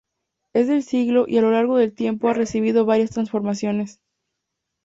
Es del siglo y a lo largo del tiempo ha recibido varias transformaciones.